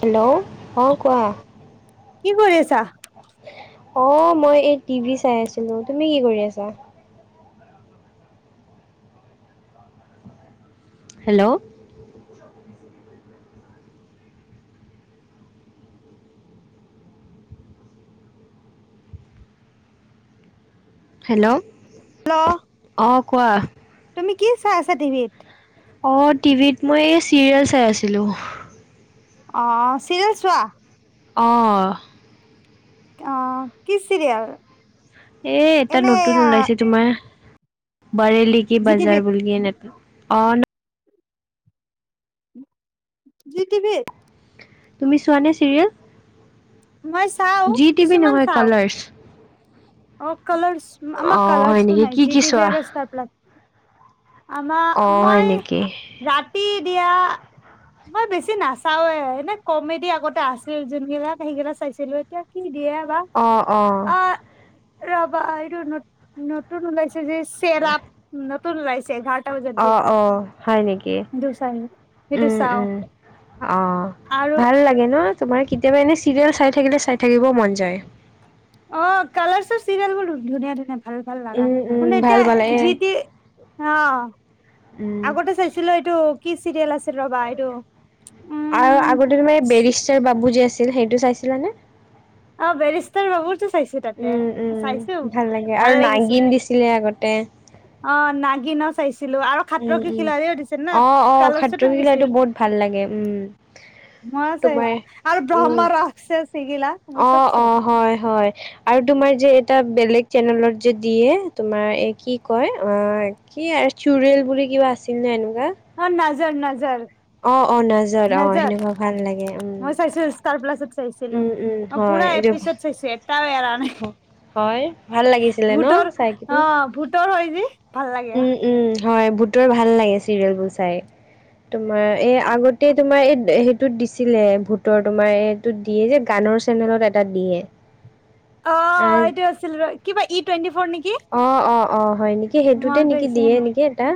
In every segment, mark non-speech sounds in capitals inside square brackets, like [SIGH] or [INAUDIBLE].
Hello অঁ কোৱা কি কৰি আছা অ মই এই টিভি চাই আছিলো তুমি কি কৰি আছা হেল্ল' হেল্ল' হেল্ল' অ কোৱা তুমি কি চা আছাটি ভত অঁ টিভিত মই চিৰিয়েল চাই আছিলোঁ অ চিৰিেল চোৱা অ' অ কিছিলৰিয় আৰু এ এটা নতুন ওলাইছে তোমাৰ বৰেলি কি জি বজাৰ টিভিত। বুলগি ন অ জি দিবি তুমি চোৱা নে মই চাও চিৰিয়েল জি টিভি কিছুমান নহয় চাও। কালাৰছ অ কলাৰ আম কালাৰ হয় শু নেকি নাই কি জি কি টি চোৱা বোৰস্তপলাক আমাৰ অ হয় মই নেকি ৰাতি দিয়া মই বেছি নাচাওৱে এনে কমেডি আগতে আছিল যোনবিলাক সেইগিলাক চাইছিলো এতিয়া কি দিয়ে বাা অ ৰবা এইটো ন নতুন ওলাইছে যে চেৰাপ নতুল লয়ছে ঘাটা ব যাদ অ দিয় অ হয় নেকি দিস উম উম অ আৰু ভাল লাগে ন তোমাৰ কেতিয়াবা এনে চিৰিয়েল চাই থাকিলে চাই থাকিবও মন যায় অ কালাৰ্চৰ চিৰিয়েল বোৰ ধুনীয়া ধুনীয়া ভাল ভাল লগা উম উম ম ভাল পালে এতিয়া এ যিট অ উম আগতে চাইছিলো এইটো কি চিৰিয়েল আছিল ৰবা এইটো আৰু উম আগতে তোমাৰ এই বেৰিষ্টাৰ বাবু যেি আছিল সেইটো চাইছিলাানে অ বৰেছ্তাৰ ববু চাইছো তাতে উম উম চাইছো ভাল লাগে আৰু ভাল লাগিছো নাগিন দিছিলে আগতে অ নাগ ন চাইিছ ছিলো আৰু উম খাত্ৰ কি উম খিলা়ীও দিছিল না অ অ কালৰ খাতৰো চতো কি লাইটো দিছিল বহুত ভাল লাগে উম ম তোমাৰ চাইছো আৰু উম ব্ৰহ্মা ৰাখছে চিগিলা মই অ চব অ চাইছো হয় হয় আৰু তোমাৰ যে এটা বেলেগ চেনেলত যে দিয়ে তোমাৰ এ কি কয় অ কি চুৰিয়েল বুলি কিবা আছিল নে আনো অ নাজৰ নজৰ অ', অ', নাজত অ', নাজাত সেনেকুৱা ভাল লাগে উম, মই চাইছিলো ষ্টাৰ প্লাছত চাইছিলো উম, উম, ম হয় ক এইটো এপিচড চছে এটাাৰানে হয় ভাল লাগিছিলে ন ভোটৰ চাই কিনে অ ভোটৰ হৈ য উম উম হয় ভুতৰ ভাল লাগে চিৰিয়েল বোৰ চাই তোমাৰ এই আগতে তোমাৰ এই সেইটোত দিছিলে ভূতৰ তোমাৰ এইটোত দিয়ে যে গানৰ চেনেলত এটা দিয়ে অ এইটো আছিল কিবা ই টুৱেণ্টি ফৰ নেকি অঁ হয় নিকি সেইটোতে মনত নিকি আহিছে দিয়ে নিকি এটা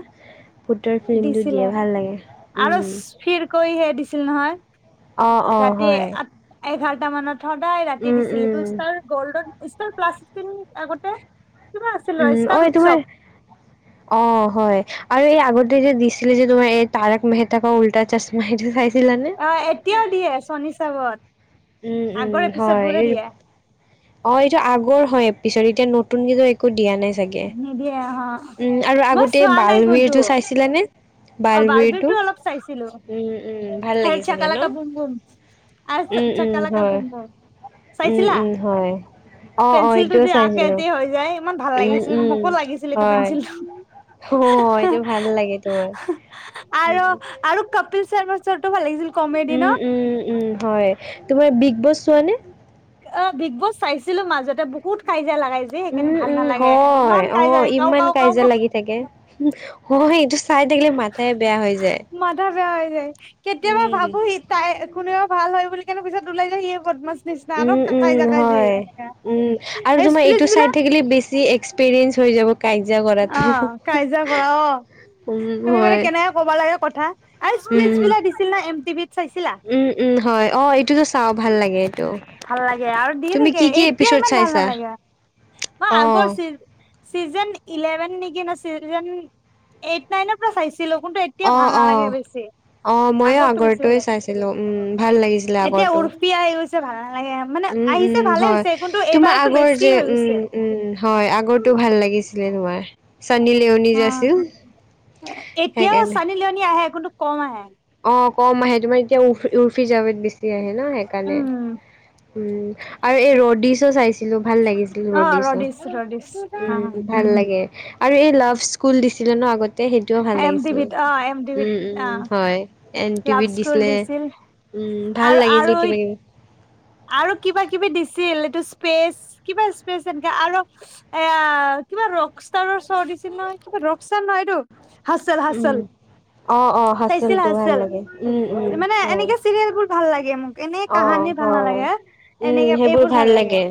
ভূতৰ ফিল্মটো দিছিলে দিয়ে ভাল লাগে আৰু উম, ফিৰ কৰিহে দিছিল নহয় অ', অ', ৰাতি হয় আট এঘাৰ টা মানত সদায় ৰাতি উম, দিছিলি উম, তো ষ্টাৰ গল্ড ষ্টাৰ প্লাছ দিছিল নিকি আগতে কিবা আছিল ৰ উম ষ্টাৰ ঐ উৎসৱ তোমাৰ অ হয় আৰু এই আগতে যে দিছিলে যে তোমাৰ এই তাৰক মেহেতা কা উল্টা চাচমা হেটো চাইচা অ এতিয়াও দিয়ে চনিচাবত উম, উম, আগৰে পিছত হয় বোৰে এই দিয়ে অ এইটো আগৰ হয় পিছত এতিয়া নতুনকে যে একো দিয়া নাই চাগে নিদিয়ে অ উম আৰু মই আগতে চোৱা বাল নাই বিৰটো কোনটো চাইছিলা নে অ বালবীৰটো বাৰ্বিৰটো অলপ চাইছিলো উম উম ভাল আৰু লাগিছিলে ন চাকালাকা বুম বুম আৰু উম উম চাকালাকা হয় বুম বুম উম চাইছিলা উম হয় অ অ পেঞ্চিলটো এইটোও যে আকে চাইছিলো যে হৈ যায় ইমান ভাল উম লাগিছিল উম মোকো লাগিছিল এইটো হয় পেঞ্চিলটো অ এইটো ভাল লাগে তোৰ আৰু আৰু কপিল শৰ্মাৰ চ টো ভাল লাগিছিল কমেডি ন উম উম উম উম হয় তোমাৰ বিগ বছ চোৱানে? অ বিগ বছ চাইছিলো মাজতে বহুত কাই কাইজা লগাই যে সেইখিনি উম, ভাল উম, নালাগে হয়। ইমান কাইজা অ', কাও ইমান কাও কাও কাও যা চাই থাকিলে মাথাই বেয়া হৈ যায়। মাথা বেয়া হৈ কেতিয়াবা উম। ভাবো সি তাই কোনেও ভাল হয় বুলি কেনে পিছত ওলাই যায় সি বদমাছ্ নিচিনা আৰু উম, উম, কাইজা কাইজি হয়। এনেকা উম আৰু সেই তোমাৰ স্পিলিচ এইটো চাই বিলাক থাকিলে বেছি এক্সপিৰিয়েন্ঞ্চ হৈ যাব। কাজিয়া অ কৰাটো। কাইজা কৰা অ উম, তুমি মানে হয়। কেনেকে কবা লাগে কথা আৰু স্পিচ্ উম, বিলাক দিছিল না এম টিভত উম উম হয় অ এটোত চাও ভাল লাগে এইটো ভাল লাগে আৰু দিয়ে তুমি কি কি এপিচ ছ'ট চাইছা? অ আগৰ চি চিজন ইলেভেন নিকি ন চিভেন এইট নাইন পা চাইছো। ছিলো কোনটো এতিয়া ভাল অ', নালাগে অ'। বেছি। অ', ময়ো আগৰটো বেছি ভাল আগৰটোৱে লাগচে চাইছিলোঁ। উম, ভাল লাগিছিলে এতিয়া আগৰটো। উৰ্ফি আ উম উম হয় কিন্তু তোমাৰ এইবাৰতো আগৰ বেছি যে হৈ উম গৈছে। উম হয় আগৰটো ভাল লাগিছে দে দোৱাৰ চনী লেওনি অ যে আছিল এতিয়াও সেইকাৰণে চানি লিয়নি আহে কিন্তু কম আহে। অ কম আহে তোমাৰ এতিয়া উৰ্ফ উৰ্ফি জাবেত বেছি আহে ন সেইকাৰণে উম উম আৰু এই ৰ'ডিছো চাইছে ছিলো ভাল লাগিছিল অ ৰদিছও ৰডিছ ৰডিছ উম ভাল লাগে। আৰু এই লাভ স্কুল দিছিলে ন আগতে সেইটোও ভাল এম লাগিছিল ডিবিত অ এম ডিবিত উম অ উম হয়। লাভ এনটিভিত স্কুল দিছিলে দিছিল উম ভাল আৰু আৰু লাগিছিলে কিবা কিবি আৰু কিবা কিবি দিছি এইটো স্পেচ কিবা স্পেচ এনে আৰু এ কিবা ৰক ষ্টাৰৰ চ দিচ- চিন মই কিবা ৰকস্তাৰ নয় এটো হাচল হাচল। উম, অ', অ', চাইছিল হাচেলটো ভাল হাছাল লাগে উম, উম, মানে হয়। এনেকে চিৰিয়েল বোৰ ভাল লাগে। মোক এনে অ কাহানী ভাল হয় নালাগে উম সেইবোৰ ভাল লাগে।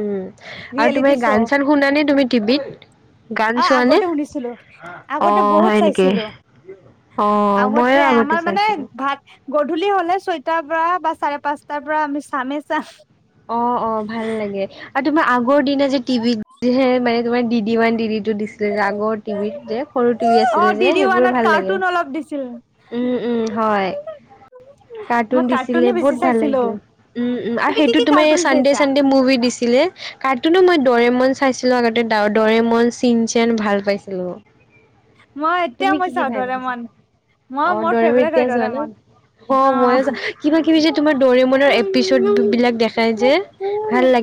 উম আৰু তোমাৰ ৰিয়েলিটি গান শ্ব' চান শুনা নে তুমি টিভিত? গান অ চোৱানে আগতে শুনিছিলো অ আগতে বহুত হয় নেকি চাইছিলো। অ আগতে ময়ো আমাৰ মানে চাইছিলো ভাত গধূলি হলে ছয়টাৰ পৰা বা চাৰে পাঁচটাৰ পৰা আমি চামেই চাম। অ অ ভাল লাগে আৰু তোমাৰ আগৰ দিনা যে টিভিতহে মানে [UNINTELLIGIBLE] দিছিলে যে, আগৰ টি ভিত যে, সৰু টি ভি অ আছিলে ডি যে, ডি সেইবোৰ ওৱানত ভাল লাগে। কাৰ্টুন অলপ দিছিল উম, উম, হয়। কাৰ্টুন মই দিছিলে কাৰ্টুনে বেছি বহুত ভাল চাইছিলো লাগিছিলে, উম, উম, আৰু কি সেইটো কি তুমি কাৰ্টুন চানডে, চাইছা চানডে মুভি দিছি ছিলে কাৰ্টুনো মই ডৰেমন চাইছিলোঁ, আগতে ডৰেমন, চিনচেন ভাল পাইছিলোঁ। মই এতিয়া তুমি মই কি, কি চাওঁ ভাল পাইছিল? দৰেমন মই অ', মোৰ ডৰেমৰ ফেভৰেট হয় এতিয়াও চোৱা ন? দৰেমন অ' মইয়ো চাওঁ কিবা কিবি যে, তোমাৰ ডৰেমনৰ এপিচদ বিলাক দেখাই যে, ভাল লা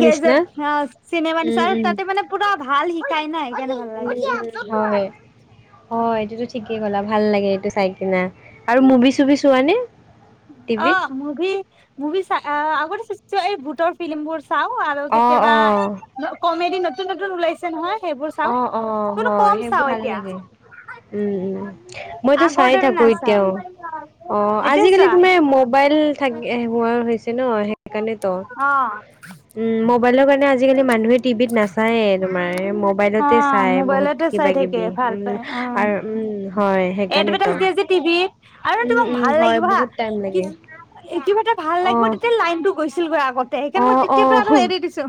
গেজেট অ', চিনেমা নিচিনা উম, আৰু উম, তাতে মানে পুৰা ভাল শিকাই নাই [INAUDIBLE] হয়, হয়, হয় এইটোতো ঠিকেই ক'লা ভাল লাগে, এইটো চাই কিনা। আৰু মুভি, চুভি চোৱা নে? অ', মুভি, মুভি [UNINTELLIGIBLE] এই ভূটৰ ফিল্মিম বোৰ চাওঁ আৰু অ', কেতিয়াবা অ', কমেডি নতুন, নতুন ওলাইছে নহয় সেইবোৰ চাওঁ অ', অ' [UNINTELLIGIBLE] হয় কম সেইবোৰ চাওঁ ভাল এতিয়া। লাগে। উম উম মইতো চাই আগৰ দৰে থাকো নাচাওঁ, এতিয়াও চোৱা? নে মোবাইল থাক হোৱা হৈছে ন সেইকাৰণ তো। অ উম মোবাইলৰ কাৰণে আজিকালি মানুহে টিভিত নাচায়ে তোমাৰ। অ মবাইলতে চাই বহুত মোবাইলতে চাই কিবা থাকে কিবি উ আৰু উম হয় এডভেটেচ সেইকাৰণেতো দিয়ে যে টিভিত আৰু উম তোমাক উম ভাল হয় লাগিব হা বহুত টাইম লাগে কিছু কিবা এটা ভাল অ লাগিব তেতিয়া লাইনতটো গৈছিলগৈ আগতে, অ সেইকাৰণে মই অ তেতিয়াৰ পৰা আৰু এৰি দিছো।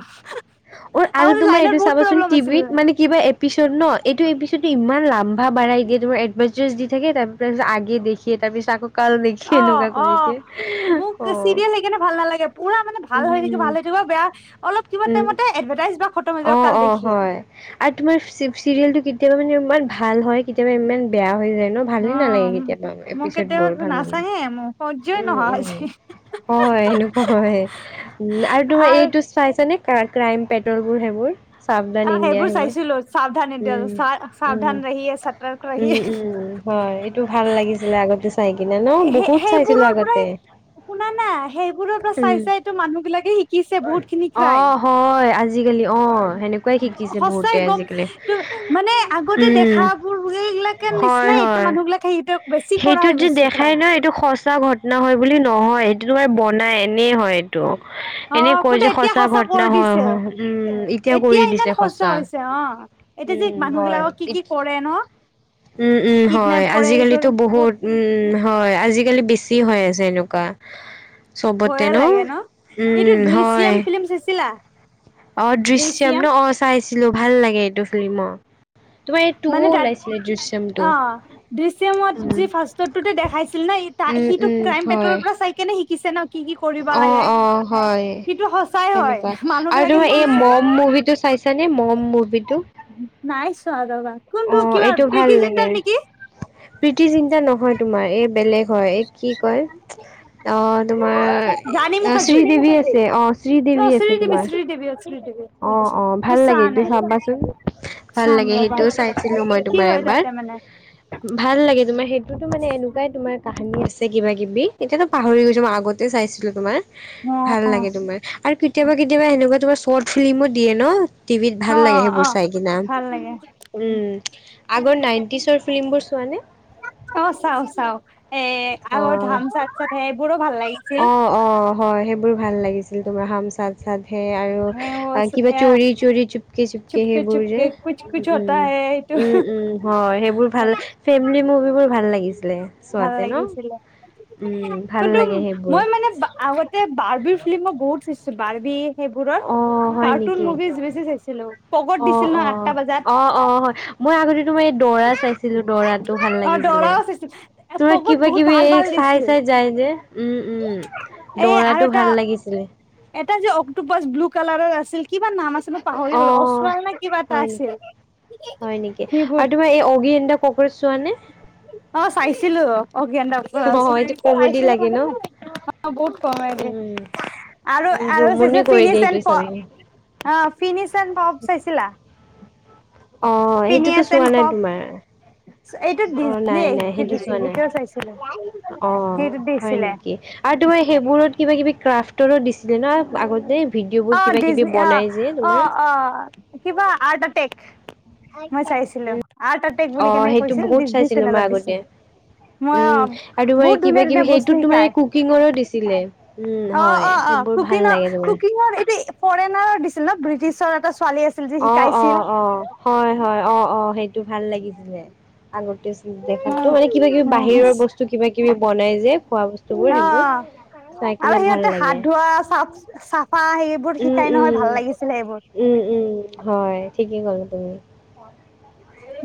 অ' আৰু আগতে তোমাৰ লাইনৰ এইটো বহুত চাবাচোন প্ৰব্লেম আছিল টিভিত মানে কিবা এপিচ'ড ন এইটো এপিচ'ডটো ইমান লামম্বা বাঢ়াই দিয়ে, তোমাৰ এভাৰ্টাইজ দি থাকে তাৰপিছত আগে দেখে তাৰপিছত আকৌ কাল দেখিয়ে অ', এনেকুৱা কৰি দিয়ে অ' মোক অ', চিৰিয়েল সেইকাৰনে ভাল নালাগে। পুৰা মানে ভাল হৈ থাকি উম, ভাল হৈ থাকিব বেয়া অলপ কিবা উম, টাইমতে এডভাৰটাইজ বা খতম হৈ যাব কাল দেখিয়ে। চিৰিয়েল টো কেতিয়াবা মানে ইমান ভাল হয় কেতিয়াবা ইমান বেয়া হৈ যায়। ভালে অ নালাগে কেতিয়াবা মোক এপিচড বোৰ কেতিয়াবা ভালে নালাগে। নাচাঙে মোৰ সহ্যই উম, নোহোৱা হৈছে উম। হয় সেনেকুৱা হয়। উম আৰু তোমাৰ এইটো চাইছ নে ক্ৰাইম পেট্ৰল বোৰ, সেইবোৰ চাবধান ইণ্ডিয়া সেইবোৰ। চাইছিলো সাৱধান এতিয়া উম, উম, সাৱধান ৰহিয়ে সতৰ্ক ৰহিয়ে উম, উম। হয়। এইটো ভাল লাগিছিলে আগতে। চাই কিনে ন' সেই বহুত চাইছিলোঁ সেইবোৰৰ পৰাই আগতে। শুনা না সেইবোৰৰ পৰা উম, চাই চাই তো মানুহ বিলাকে শিকিছে বহুত খিনি ক্ৰাইম। অ', হয় আজিকালি অ' সেনেকুৱাই শিকিছে সচাই বহুতে গ'ম আজিকালি। মানে আগতে উম, দেখাবোৰ ব সবিলাকে হয় নিচিনাই এতিয়া হয়। মানুহ বিলাক সেহতে সেইটোত যে দেখাই ন এইটো সচা ঘটনা হয়। বুলি নহয় সেইটো তোমাৰ বনাই এনেই হয়। এনে অ' কয় কিন্তু যে এতিয়া সঁচা ঘটনা কৰি হয় দিছে। উম এতিয়া কৰি দিছে সঁচা। অ' এতিয়া যে উম মানুহ হয় বিলাকক কি কি কৰে ন? উম, উম, হয় কিডনেপ কৰে এইবোৰ আজিকালিতো বহুত উম উম হয় আজিকালি বেছি হৈ আছে এনেকুৱা। চবতে ভয়ে ন? লাগে এইটো উম, হয়। দৃশ্যাম ফিল্ম চাইছিলা অ', দৃশ্যম দৃশ্যাম ন! অ' চাইছিলোঁ, ভাল লাগে এইটো ফিল্ম‌ অ'। টোও মানে তাত ওলাইছিলে দৃশ অ', দৃশ্যমত যি ফাষ্টৰটোতে দেখাইছিল ন! উম সিটো উম ক্ৰাইম পেট্ৰলৰ হয়। পৰা চাই কেনে শিক অ', অ', হয়, সিটো সঁচাই হয় সেনেকুৱা মানুহ আৰু বিলাকে তোমাৰ এই শিকিছে মম মুভিটো চাই চাইছানে মম মভিটো? নাই চোৱা ৰবা কোনটো কিবা প্ৰীতি জিন্তাৰ নিকি? প্ৰীতি জিন্তা নহয়, তোমাৰ এ, বেলেগ হয়, এ, কি কয় অ' তোমাৰ ৰাণী মুখাৰ্জী শ্ৰীদেৱী আছে, অ', শ্ৰী অ দেৱী আছে শ্ৰীদেৱী তোমাৰ। শ্ৰীদেৱী অ শ্ৰীদেৱী অ' অ', মই ভাল চোৱা লাগে সেটো নাই চাবাচোন, ভাল চাম লাগে ৰবা সেইটো। চাইছিলোঁ মই কি তোমাৰ হয় এবাৰ। তাতে মানে ভাল লাগে, তোমাৰ সেইটোতো মানে এনেকুৱাই তোমাৰ কাহানী আছে। কিবা কিবি এতিয়াতো পাহৰি গৈছোঁ মই আগতে চাইছিলোঁ তোমাৰ, অ ভাল লাগে তোমাৰ আৰু [UNINTELLIGIBLE] কেতিয়াবা, কেতিয়াবা সেনেকুৱা তোমাৰ চৰ্ট ফিল্মো দিয়ে ন! টিভিত অ ভাল লাগে অ সেইবোৰ চাই কিনা। ভাল লাগে উম, আগৰ নাইনটিচৰ ফিল্মবোৰ চোৱা নে? অ', চাওঁ, চাওঁ। এ, অ আগৰ [UNINTELLIGIBLE] সেইবোৰো ভাল লাগিছিল। বোৰ ভাল লাগিছিল তোমাৰ হাম চাথ চাথ। হে আৰু কিবা চ'ৰি চ'ৰি চুপকে চুপকে সেইবোৰ যে, চুপকে কুচ কুচ উম। হতা হে এইটো উম, উম, হয়, সেইবোৰ ভাল ফেমিলি মুভিবোৰ ভাল লাগিছিলে ভাল চোৱাতে ন? লাগিছিলে উম ভাল কিন্তু লাগে সেইবোৰ মই মানে বা-আগতে বাৰ্বিৰ ফিল্মো বহুত চাই বাৰ্বি সেইবোৰৰ অ', হয়, কাৰ্টুন নিকি? মুভিজ বেছি চাইছিলো পগত দিছিল অ', ন অ', আঠটা বজাত অ', অ', হয়, মই আগতে তোমাৰ ডৌৰা চাইছিলোঁ, ডৌৰাটো ভাল অ লাগিছিলে। দৰাও চাইছিল তোমাৰ পগত কিবা বহুত কিবি ভাল এই ভাল চাই, দিছিল চাই যায় যে, উম, উম, এই আৰু ডৌৰাটো এটা ভাল লাগিছিলে। এটা যে অকটোপাছ ব্লু কালাৰৰ আছিল কিবামান নাম আছিল? মই পাহৰি গলো অ' অচৰাল নে কিবা এটা হয় আছিল নেকি হয় নেকি সেইবোৰ আৰু তোমাৰ এই অগিএনডক প'গ' চোৱা নে? অ চাইছিলো। অকে এ অ এইটো কমেডি লাগে ন বে [UNINTELLIGIBLE] উম আৰু উম আৰু জমনি চাই কৰি ফিনি দিয়ে এ সেইটো চালে অ ফিনিচ এ পপ চাইছিলা? অ' এইটোতো ফিনিয়াছ চোৱা এণ্ড নাই পপ তোমাৰ। এইটো অ' ডিজনী নাই নাই সেইটো দিছিল চোৱা নাই সেইটোও চাইছিলো অ' সেইটো হয় দিছিলে নেকি? আৰু তোমাৰ সেইবোৰত কিবা কি ক্ৰাফট ৰো দিছিলে ন আগতে ভিডিঅ' বোৰ অ কিবা কিবি ডিজনী অ বনাই যে অ তোমাৰ। অ কিবা আৰ্ট এটেক মই চাইছিলো উম আৰু তাতে অ বুলি কেনেকে সেইটো কৈছিল বহুত ডিজনি চাইছিলো মই চেনেলত আগতে দিছিল। মই অ উম, আৰু তোমাৰ বহুত কিবা ধুনীয়া কিবি ধুনীয়া বস্তু সেইটোত তোমাৰ শিকায় কুকিঙৰো দিছিলে, উম, অ হয় অ অ সেইবোৰ ভাল কুকিঙৰ লাগে তোমাৰ কুকিঙৰ এইটো ফৰেনাৰ দিছিল ন ব্ৰিটিছৰ এটা ছোৱালী আছিল যে অ', শিকাইছিল অ', অ' হয় হয় অ' অ' সেইটো ভাল লাগিছিলে। আগতে দেখাতো মানে কিবা কিবি উম উম বাহিৰৰ বস্তু কিবা কিবি বনাই যে খোৱা বস্তুবোৰ সেইবোৰ। অ', চাই কিনে আৰু ভাল সিহঁতে লাগে হাত ধোৱা চাও উম, উম, লাগিছিলে সেইবোৰ উম, উম হয় ঠিকেই ক'লে তুমি।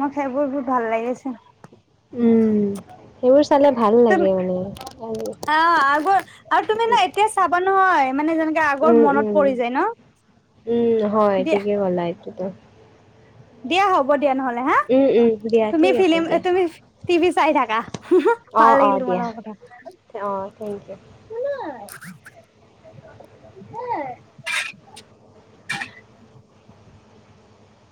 মই সেইবোৰ বোৰ ভাল লাগিছে। উম। সেইবোৰ চালে ভাল তুম লাগে মানে। উম, আহ আগৰ আৰু তুমি ন এতিয়া চাবা নহয় মানে যেনেকে আগৰ উম, মনত উম, পৰি যায় ন। উম, হয় দিয়া ঠিকেই ক'লা এইটোতো। দিয়া হ'ব দিয়া নহ'লে হা। উম, উম, দিয়া তুমি ঠিক আছে ফিল্ম দিয়া। তুমি টভি চাই থাকা ভাল লাগিল তোমাল কথা পাতি। অঁ থেংক ইউ। [UNINTELLIGIBLE]